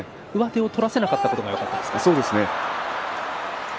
上手を取らせなかったのがよかったんですね。